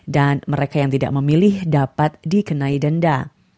dan mereka yang tidak memilih dapat dikenai denda